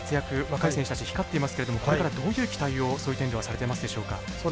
若い選手たち光っていますがこれから、どういう期待をそういう点ではされていますでしょうか？